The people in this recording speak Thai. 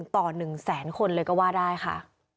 ต่อ๑แสนคนเลยก็ว่าได้ค่ะ